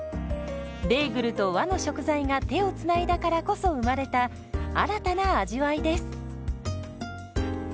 ベーグルと和の食材が手をつないだからこそ生まれた新たな味わいです。